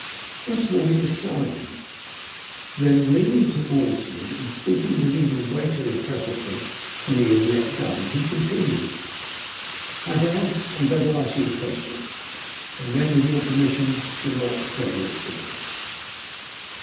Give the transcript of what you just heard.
Once more he was silent. Then leaning towards me and speaking with even greater impressiveness than he had yet done, he continued "Hatteras, I am going to ask you a question, and then, with your permission, I should like to tell you a story."